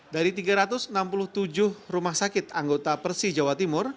dari tiga ratus enam puluh tujuh rumah sakit anggota persi jawa timur